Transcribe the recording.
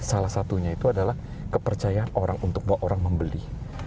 salah satunya itu adalah kepercayaan orang untuk bawa orang membeli